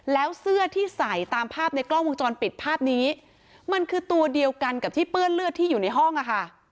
แล้วเสื้อที่ใส่ตามภาพในกล้องวงจรปิดภาพนี้มันคือตัวเดียวกันกับที่เปื้อนเลือดที่อยู่ในห้องอ่ะค่ะ